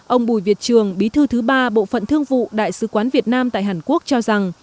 ông bùi việt trường bí thư thứ ba bộ phận thương vụ đại sứ quán việt nam tại hàn quốc cho rằng